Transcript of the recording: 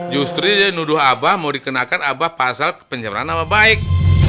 justru dia yang nuduh abah mau dikenakan abah pasal kepenjaraan nama baik